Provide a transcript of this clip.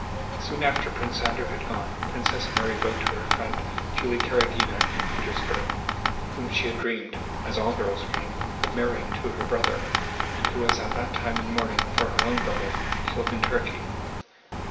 Soon after Prince Andrew had gone, Princess Mary wrote to her friend Julie Karágina in Petersburg, whom she had dreamed (as all girls dream) of marrying to her brother, and who was at that time in mourning for her own brother, killed in Turkey.